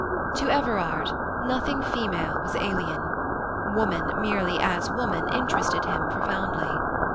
To Everard, nothing female was alien; woman, merely as woman, interested him profoundly.